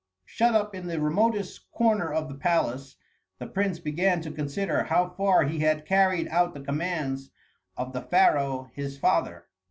Shut up in the remotest corner of the palace, the prince began to consider how far he had carried out the commands of the pharaoh his father.